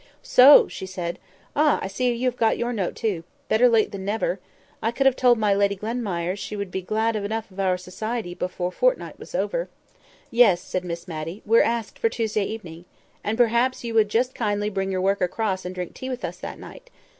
"So!" she said. "Ah! I see you have got your note, too. Better late than never. I could have told my Lady Glenmire she would be glad enough of our society before a fortnight was over." "Yes," said Miss Matty, "we're asked for Tuesday evening. And perhaps you would just kindly bring your work across and drink tea with us that night.